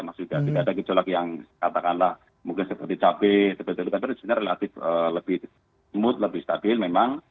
maksudnya tidak ada gejolak yang katakanlah mungkin seperti cabai tapi sebenarnya relatif lebih smooth lebih stabil memang